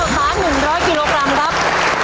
๑ล้อยกิโลกรัมครับ